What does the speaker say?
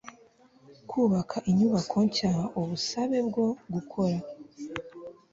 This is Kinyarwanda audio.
kubaka inyubako nshya ubusabe bwo gukora